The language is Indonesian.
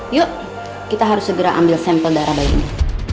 yuk kita harus segera ambil sampel darah baik ini